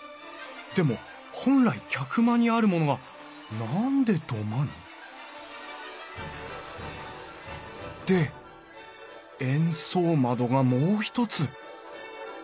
でも本来客間にあるものが何で土間に？で円相窓がもう一つ。